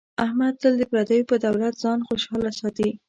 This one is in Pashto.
احمد تل د پردیو په دولت ځان خوشحاله ساتي.